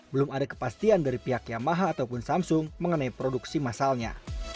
belum ada kepastian dari pihak yamaha ataupun samsung mengenai produksi masalnya